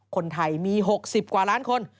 คนไทยมี๖๐กว่าล้านคน